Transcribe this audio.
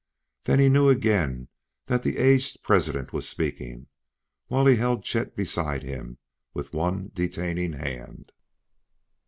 Then he knew again that the aged President was speaking, while he held Chet beside him with one detaining hand.